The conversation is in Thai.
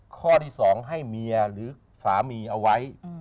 ข้อที่๒ให้เมียหรือสามีเอาไว้